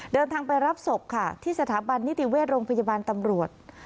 เดินทางไปรับศพค่ะที่สถาบันนิติเวชโรงพยาบาลตำรวจ